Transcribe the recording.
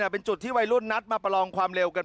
เป็นจุดที่วัยรุ่นนัดมาประลองความเร็วกัน